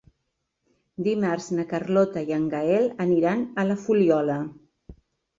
Dimarts na Carlota i en Gaël aniran a la Fuliola.